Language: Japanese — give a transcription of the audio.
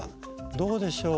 どうでしょう？